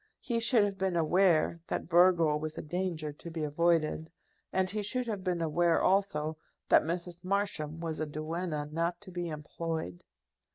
He should have been aware that Burgo was a danger to be avoided; and he should have been aware also that Mrs. Marsham was a duenna not to be employed.